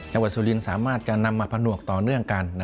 สุรินทร์สามารถจะนำมาผนวกต่อเนื่องกัน